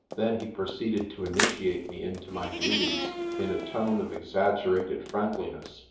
Then he proceeded to initiate me into my duties in a tone of exag gerated friendliness.